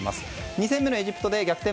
２戦目のエジプトで逆転